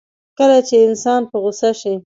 کله چې انسان په غوسه شي.